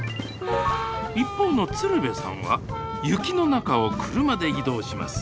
一方の鶴瓶さんは雪の中を車で移動します